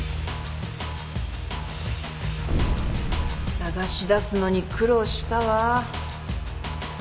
捜し出すのに苦労したわ。